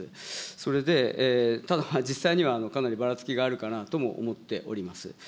それで、ただ実際にはかなりばらつきがあるかなとも思っております。